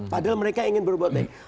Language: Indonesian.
padahal mereka ingin berubah